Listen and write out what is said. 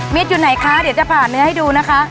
อยู่ไหนคะเดี๋ยวจะผ่านเนื้อให้ดูนะคะ